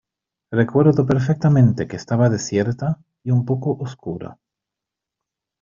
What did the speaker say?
recuerdo perfectamente que estaba desierta y un poco oscura.